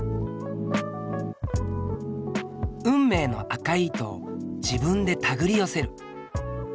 運命の赤い糸を自分でたぐり寄せる。